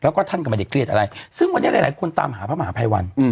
แล้วก็ท่านก็ไม่ได้เครียดอะไรซึ่งวันนี้หลายคนตามหาพระมหาภัยวัน